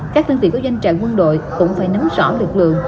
các đơn vị có danh trại quân đội cũng phải nắm rõ lực lượng